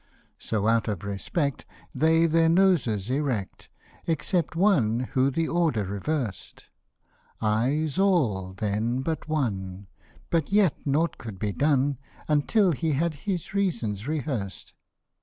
So out of respect, they their noses erect, Except one who the order reversed ; Ayes, all then but one, but yet nought could be done, Until he had his reasons rehearsed.